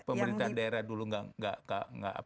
pemerintah daerah dulu nggak